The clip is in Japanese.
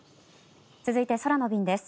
続いて空の便です。